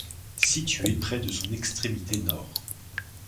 Située près de son extrémité nord.